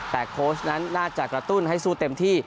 แต่โค้ชนั้นน่าจะกระตุ้นให้สู้เต็มที่